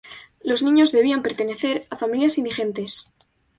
Los niños debían pertenecer a familias indigentes.